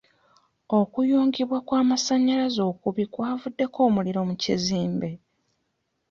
Okuyungibwa kw'amasannyalaze okubi kwavuddeko omuliro mu kizimbe.